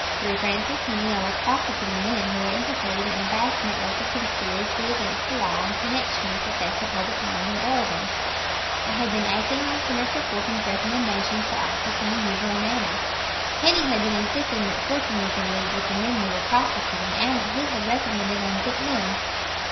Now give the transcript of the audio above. Through Francis Heney I was prosecuting men who were implicated in a vast network of conspiracy against the law in connection with the theft of public land in Oregon. I had been acting on Senator Fulton's recommendations for office, in the usual manner. Heney had been insisting that Fulton was in league with the men we were prosecuting, and that he had recommended unfit men.